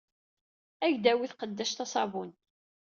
Ad ak-d-tawey tqeddact aṣabun.